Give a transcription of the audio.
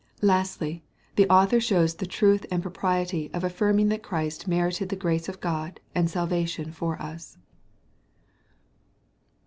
Lastly, the Author shows the truth and propriety of affirming that Christ merited the grace of God and salvation for us.